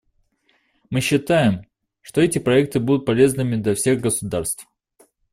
Мы считаем, что эти проекты будут полезными для всех государств.